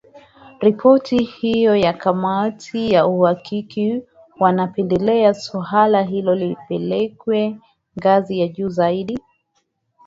Ripoti hiyo ya kamati ya uhakiki wanapendelea suala hilo lipelekwe ngazi ya juu zaidi.